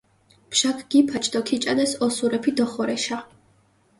ბჟაქ გიფაჩ დო ქიჭანეს ოსურეფი დოხორეშა.